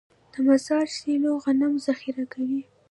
د مزار سیلو غنم ذخیره کوي.